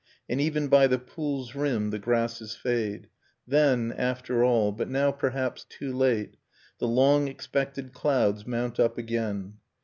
And even by the pool's rim the grasses fade, \ Then, after all, but now perhaps too late, j The long expected clouds mount up again